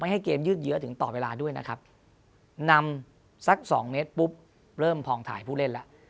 ให้เกมยืดเยอะถึงต่อเวลาด้วยนะครับนำสักสองเมตรปุ๊บเริ่มพองถ่ายผู้เล่นแล้ว